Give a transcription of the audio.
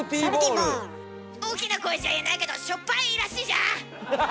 大きな声じゃ言えないけどしょっぱいらしいじゃん。